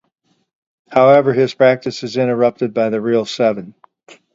However, his practice is interrupted by the real Seven.